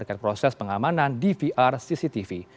terkait proses pengamanan dvr cctv